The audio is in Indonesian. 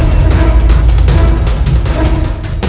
tidak ada untuk mem campaign